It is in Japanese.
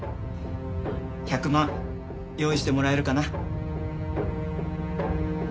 １００万用意してもらえるかな？